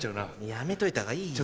やめといたほうがいいよ。